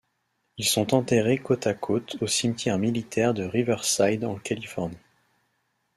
Ils sont enterrés côte à côte au cimetière militaire de Riverside en Californie.